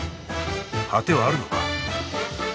果てはあるのか？